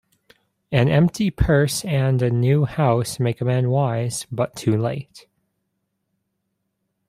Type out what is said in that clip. An empty purse, and a new house, make a man wise, but too late.